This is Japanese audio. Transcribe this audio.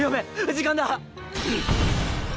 時間だ！